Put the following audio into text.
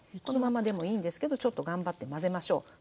このままでもいいんですけどちょっと頑張って混ぜましょう。